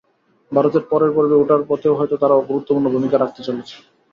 ভারতের পরের পর্বে ওঠার পথেও হয়তো তারা গুরুত্বপূর্ণ ভূমিকা রাখতে চলেছে।